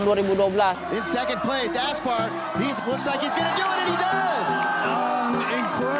di kedua tempat aspart dia terlihat akan menang dan dia menang